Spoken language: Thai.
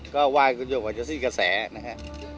ก็ว่าอยากจะซี่กระแสนะฮะ